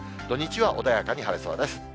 土日は穏やかに晴れそうです。